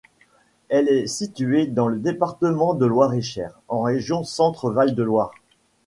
Elle est située dans le département de Loir-et-Cher, en région Centre-Val de Loire.